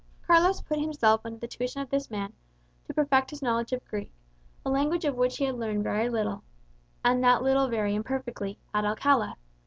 Carlos put himself under the tuition of this man, to perfect his knowledge of Greek, a language of which he had learned very little, and that little very imperfectly, at Alcala.